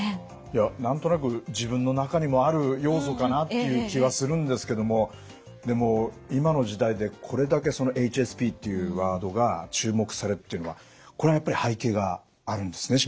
いや何となく自分の中にもある要素かなという気はするんですけどもでも今の時代でこれだけそのＨＳＰっていうワードが注目されるっていうのはこれはやっぱり背景があるんですね？